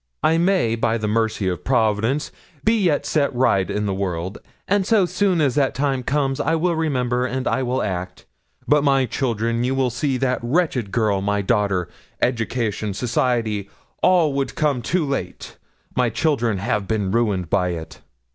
I may, by the mercy of Providence, be yet set right in the world, and so soon as that time comes, I will remember, and I will act; but my children you will see that wretched girl, my daughter education, society, all would come too late my children have been ruined by it."